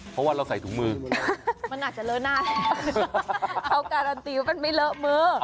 เพราะว่าเราใส่ถุงมือมันอาจจะเลอะหน้าแล้วเขาการันตีว่ามันไม่เลอะมือ